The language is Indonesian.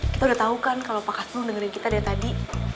kita sudah tahu kan kalau pak kasbung mendengarkan kita dari tadi